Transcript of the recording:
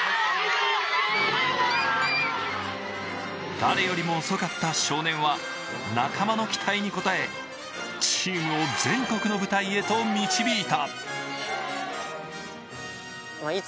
誰よりも遅かった少年は仲間の期待に応えチームを全国の舞台へと導いた。